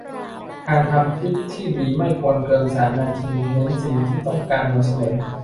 การทำคลิปที่ดีไม่ควรเกิน สาม นาทีเน้นสิ่งที่ต้องการนำเสนอ